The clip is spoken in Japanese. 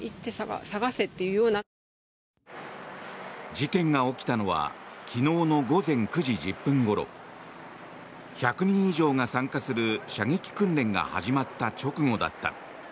事件が起きたのは昨日の午前９時１０分ごろ１００人以上が参加する射撃訓練が始まった直後だった。